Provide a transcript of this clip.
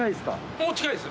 もう近いです